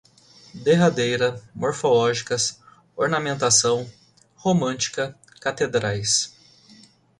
Derradeira, morfológicas, ornamentação, romântica, catedrais